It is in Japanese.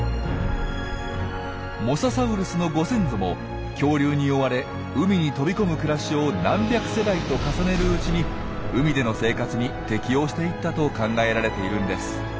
モササウルスのご先祖も恐竜に追われ海に飛び込む暮らしを何百世代と重ねるうちに海での生活に適応していったと考えられているんです。